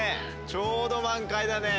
ちょうど満開だね。